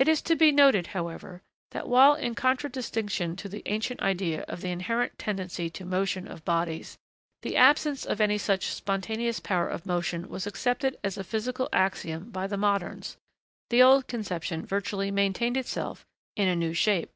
It is to be noted, however, that while, in contradistinction to the ancient idea of the inherent tendency to motion of bodies, the absence of any such spontaneous power of motion was accepted as a physical axiom by the moderns, the old conception virtually maintained itself is a new shape.